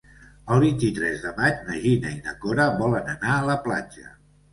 El vint-i-tres de maig na Gina i na Cora volen anar a la platja.